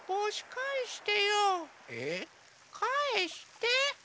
かえして！